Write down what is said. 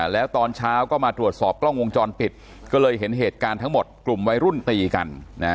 แล้วตอนเช้าก็มาตรวจสอบกล้องวงจรปิดก็เลยเห็นเหตุการณ์ทั้งหมดกลุ่มวัยรุ่นตีกัน